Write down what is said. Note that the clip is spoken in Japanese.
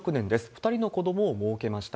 ２人の子どもをもうけました。